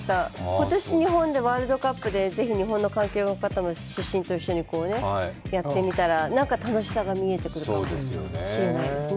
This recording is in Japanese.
今年日本でワールドカップでぜひ日本人の主審と一緒にやってみたら何か楽しさが見えてくるかもしれないですね。